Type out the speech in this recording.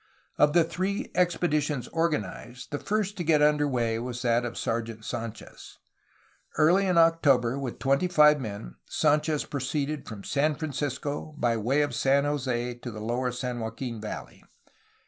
Of the three expeditions organized, the first to get under way was that of Sergeant Sdnchez. Early in October, with twenty five men, Sd,nchez proceeded from San Francisco by way of San Jose to the lower San Joaquin valley.